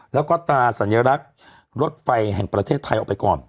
แล้วก็ตราสัญลักษณ์รถไฟแห่งประเทศไทยออกไปก่อน